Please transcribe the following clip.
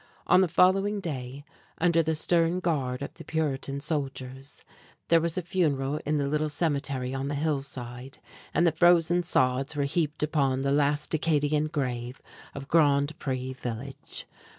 On the following day, under the stern guard of the Puritan soldiers, there was a funeral in the little cemetery on the hillside, and the frozen sods were heaped upon the last Acadian grave of Grand Pré village.